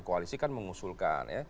koalisi kan mengusulkan